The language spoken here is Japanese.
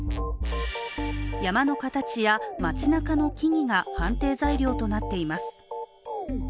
山の形や街なかの木々が判定材料となっています。